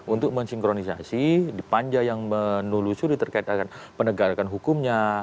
untuk mensinkronisasi di panja yang menelusuri terkait akan penegakan hukumnya